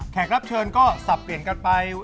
รับเชิญก็สับเปลี่ยนกันไป